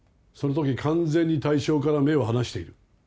そのとき完全に対象から目を離している。